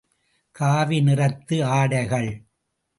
காவி நிறத்து ஆடைகள்!